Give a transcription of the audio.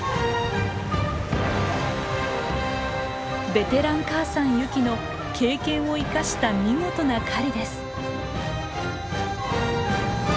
ベテラン母さんユキの経験を生かした見事な狩りです。